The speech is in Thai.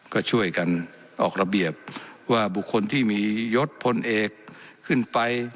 ก็ช่วยกันออกระเบียบว่าบุคคลที่มียศพลเอกขึ้นไป